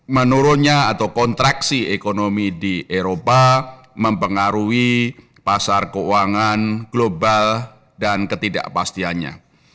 menurunnya atau kontraksi ekonomi di eropa mempengaruhi pasar keuangan global dan ketidakpastiannya